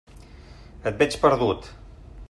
Et veig perdut.